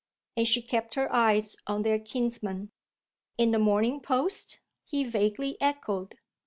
And she kept her eyes on their kinsman. "In the Morning Post?" he vaguely echoed.